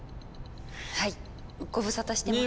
はいご無沙汰してます。